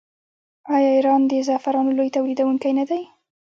آیا ایران د زعفرانو لوی تولیدونکی نه دی؟